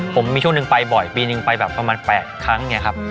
ผมมีช่วงหนึ่งไปบ่อยปีนึงไปแบบประมาณ๘ครั้งไงครับ